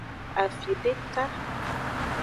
Afideka.